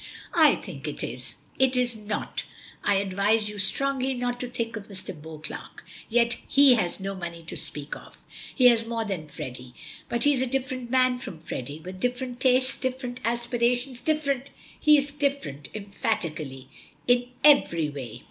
"I think it is." "It is not. I advise you strongly not to think of Mr. Beauclerk, yet he has no money to speak of." "He has more than Freddy." "But he is a different man from Freddy with different tastes, different aspirations, different He's different," emphatically, "in every way!"